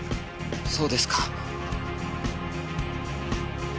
そうですか。